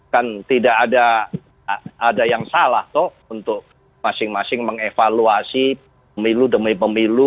kan tidak ada yang salah toh untuk masing masing mengevaluasi pemilu demi pemilu